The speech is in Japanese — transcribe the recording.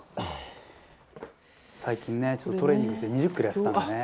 「最近ねトレーニングして２０キロ痩せたんでね」